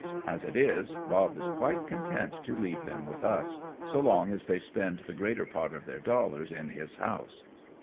As it is. Bob is quite content to leave them with us, so long as they spend the greater part of their dollars in his house."